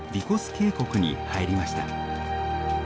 渓谷に入りました。